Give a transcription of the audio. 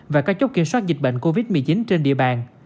và các chốt kiểm soát dịch bệnh covid một mươi chín trên địa bàn